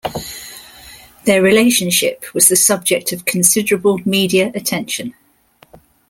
Their relationship was the subject of considerable media attention.